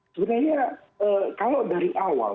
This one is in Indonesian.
sebenarnya kalau dari awal